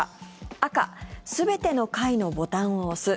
赤、全ての階のボタンを押す。